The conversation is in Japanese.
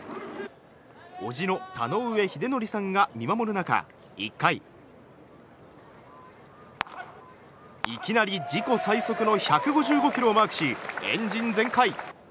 叔父の田上秀則さんが見守る中１回、いきなり自己最速の１５５キロをマークしエンジン全開。